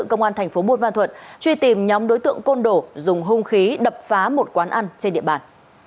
công an tp bụt ma thuật truy tìm nhóm đối tượng côn đổ dùng hung khí đập phá một quán ăn trên địa bàn